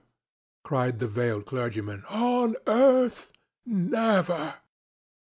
cried the veiled clergyman. "On earth, never!"